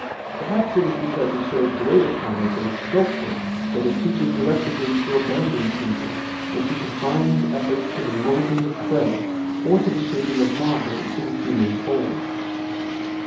Perhaps it was be cause he showed greater promise as a sculptor that his teachers directed him to abandon paint ing and to confine his efforts to the moulding of clay, or to the shaping of marble into the human form.